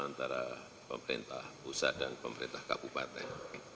antara pemerintah pusat dan pemerintah kabupaten